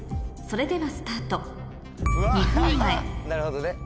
それではスタート２分前ハハハっ！